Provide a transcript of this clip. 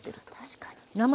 確かに。